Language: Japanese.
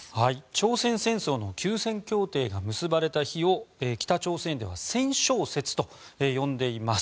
朝鮮戦争の休戦協定が結ばれた日を北朝鮮では戦勝節と呼んでいます。